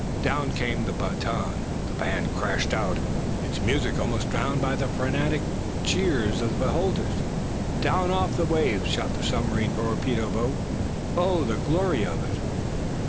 Down came the baton, the band crashed out, its music almost drowned by the frantic cheers of the beholders. Down off the ways shot the submarine torpedo boat. Oh, the glory of it!